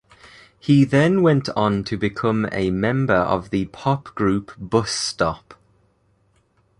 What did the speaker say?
He then went on to become a member of the pop group Bus Stop.